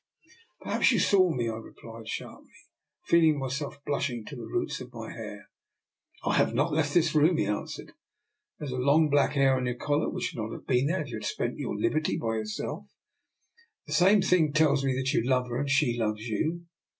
" Perhaps you saw me," I replied sharply, feeling myself blushing to the roots of my hair. " I have not left this room," he answered. " There is a long black hair on your collar, which would not have been there if you had spent your liberty by yourself. The same thing tells me that you love her, and she loves you.